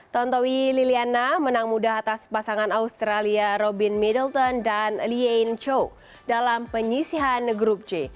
tontowi liliana menang mudah atas pasangan australia robin middleton dan lian cho dalam penyisihan grup c